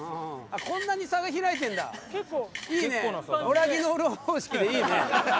ボラギノール方式でいいね。